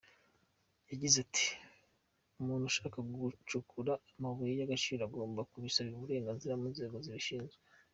Yagize ati "Umuntu ushaka gucukura amabuye y’agaciro agomba kubisabira uburenganzira mu nzego zibishinzwe.